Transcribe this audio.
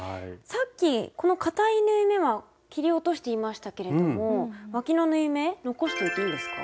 さっきこのかたい縫い目は切り落としていましたけれどもわきの縫い目残しておいていいんですか？